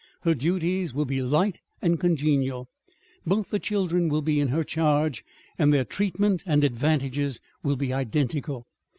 Her duties will be light and congenial. Both the children will be in her charge, and their treatment and advantages will be identical.